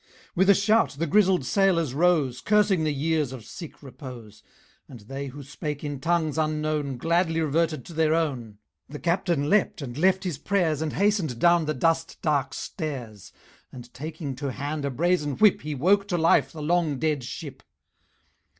With a shout the grizzled sailors rose Cursing the years of sick repose, And they who spake in tongues unknown Gladly reverted to their own. The Captain leapt and left his prayers And hastened down the dust dark stairs, And taking to hand a brazen Whip He woke to life the long dead ship.